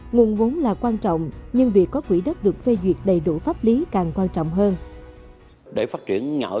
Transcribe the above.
nguồn vốn là quan trọng nhưng việc có quỹ đất được phê duyệt đầy đủ pháp lý càng quan trọng hơn